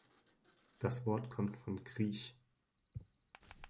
Das Wort kommt von griech.